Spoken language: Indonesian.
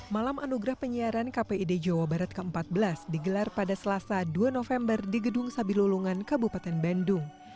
malam anugerah penyiaran kpid jawa barat ke empat belas digelar pada selasa dua november di gedung sabilulungan kabupaten bandung